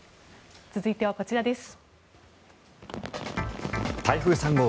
続いてはこちらです。